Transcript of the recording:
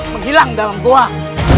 menghilang dalam tuhan